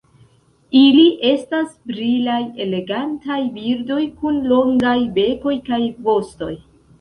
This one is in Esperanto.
Ili estas brilaj elegantaj birdoj kun longaj bekoj kaj vostoj.